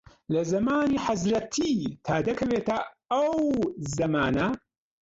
لە زەمانی حەزرەتی تا دەکەوێتە ئەو زەمانە